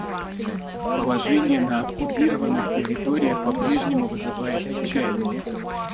Положение на оккупированных территориях попрежнему вызывает отчаяние.